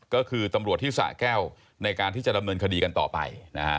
ก็คือตำรวจที่สะแก้วในการที่จะดำเนินคดีกันต่อไปนะฮะ